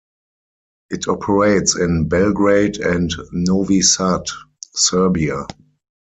It operates in Belgrade and Novi Sad, Serbia.